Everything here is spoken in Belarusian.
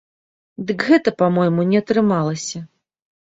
Дык гэта, па-мойму, не атрымалася.